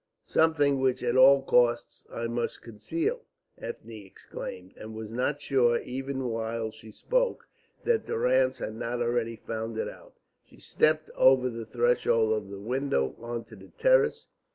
"Something which at all costs I must conceal," Ethne exclaimed, and was not sure, even while she spoke, that Durrance had not already found it out. She stepped over the threshold of the window on to the terrace.